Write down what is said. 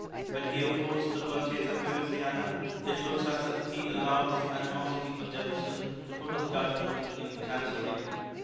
When he opposed the purchase of Louisiana it looks as if he allowed his animosity for Jefferson to put his judgment in chancery.